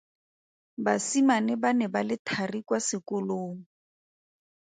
Basimane ba ne ba le thari kwa sekolong.